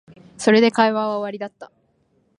それで会話は終わりだった